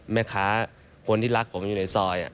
แม่ค้าคนที่รักผมอยู่ในซอย